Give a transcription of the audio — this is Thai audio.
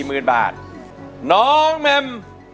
เพลงที่สาม